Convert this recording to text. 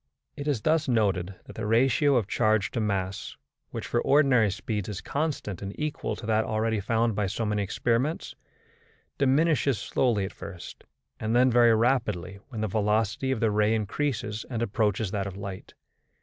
It is thus noted that the ratio of charge to mass which for ordinary speeds is constant and equal to that already found by so many experiments diminishes slowly at first, and then very rapidly when the velocity of the ray increases and approaches that of light.